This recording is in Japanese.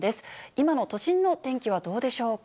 今の都心の天気はどうでしょうか。